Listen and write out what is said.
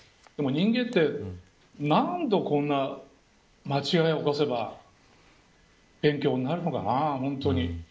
でも、人間って何度こんな間違いをおかせば勉強になるのかな、本当に。